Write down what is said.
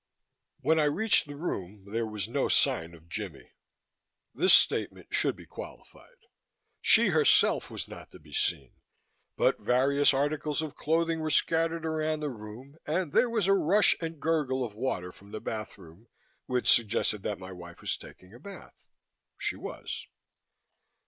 When I reached the room, there was no sign of Jimmie. This statement should be qualified. She herself was not to be seen but various articles of clothing were scattered around the room and there was a rush and gurgle of water from the bathroom which suggested that my wife was taking a bath. She was.